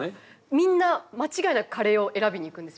みんな間違いなくカレーを選びに行くんです